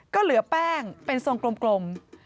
ก็เหลือแป้งเป็นทรงกลม